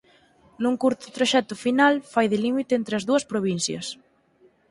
Nun curto traxecto final fai de límite entre as dúas provincias.